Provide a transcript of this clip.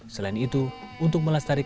selain itu untuk melestarikan